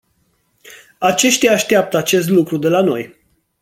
Aceștia așteaptă acest lucru de la noi.